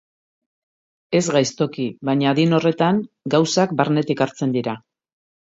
Ez gaiztoki, baina adin horretan, gauzak barnetik hartzen dira.